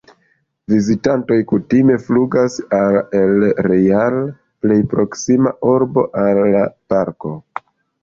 Vizitantoj kutime flugas al El Real, plej proksima urbo al la parko.